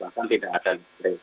bahkan tidak ada di kreasi